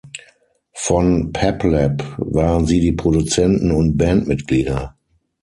Von Peplab waren sie die Produzenten und Bandmitglieder.